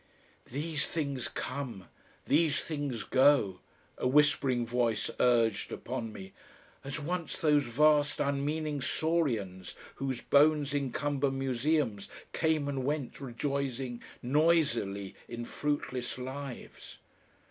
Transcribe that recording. "These things come, these things go," a whispering voice urged upon me, "as once those vast unmeaning Saurians whose bones encumber museums came and went rejoicing noisily in fruitless lives."...